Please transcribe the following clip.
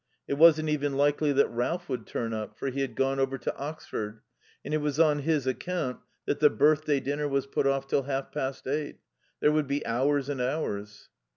It wasn't even likely that Ralph would turn up, for he had gone over to Oxford, and it was on his account that the birthday dinner was put off till half past eight. There would be hours and hours.